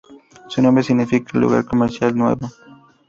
Su nombre significa "lugar comercial nuevo".